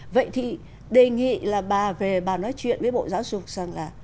vậy thì đề nghị là bà về bà nói chuyện với bộ giáo dục xem là